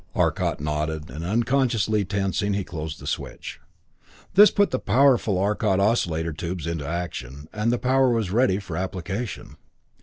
Arcot nodded, and unconsciously tensing, he closed the switch. This put the powerful Arcot oscillator tubes into action, and the power was ready for application.